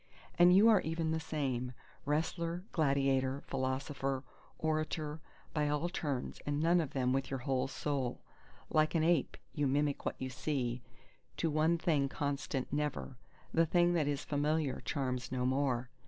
And you are even the same: wrestler, gladiator, philosopher, orator all by turns and none of them with your whole soul. Like an ape, you mimic what you see, to one thing constant never; the thing that is familiar charms no more.